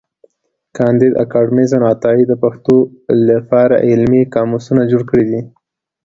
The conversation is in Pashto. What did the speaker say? کانديد اکاډميسن عطايي د پښتو له پاره علمي قاموسونه جوړ کړي دي.